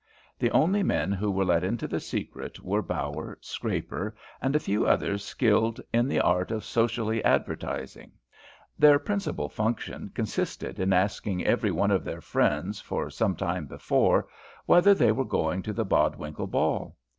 The only men who were let into the secret were Bower, Scraper, and a few others skilled in the art of socially advertising. Their principal function consisted in asking every one of their friends for some time before whether they were going to the Bodwinkle ball.